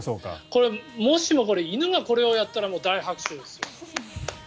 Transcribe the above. もしもこれ、犬がこれをやったら大拍手ですよ。